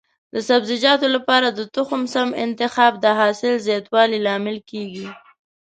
د سبزیجاتو لپاره د تخم سم انتخاب د حاصل زیاتوالي لامل کېږي.